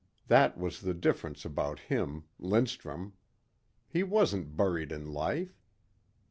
That was the difference about him, Lindstrum. He wasn't buried in life.